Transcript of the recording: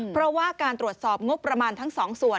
เพราะว่าการตรวจสอบงบประมาณทั้งสองส่วน